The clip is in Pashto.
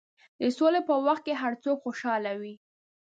د سولې په وخت کې هر څوک خوشحاله وي.